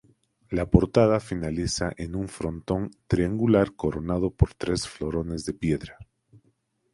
La portada finaliza en un frontón triangular coronado por tres florones de piedra.